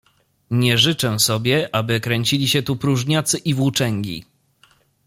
"Nie życzę sobie, aby kręcili się tu próżniacy i włóczęgi."